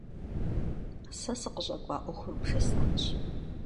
Сэ сыкъыщӏэкӏуа ӏуэхур бжесӏэнщ.